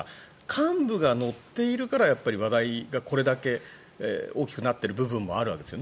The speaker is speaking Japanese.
幹部が乗っているから話題がこれだけ大きくなっている部分もあるわけですよ。